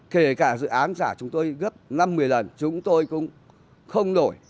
kể cả dự án giả chúng tôi gấp năm một mươi lần chúng tôi cũng không đổi